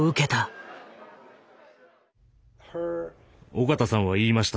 緒方さんは言いました。